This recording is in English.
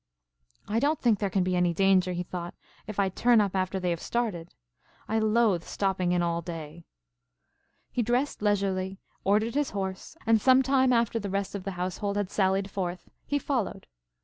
"I don't think there can be any danger," he thought, "if I turn up after they have started. I loathe stopping in all day." He dressed leisurely, ordered his horse, and some time after the rest of the household had sallied forth, he followed.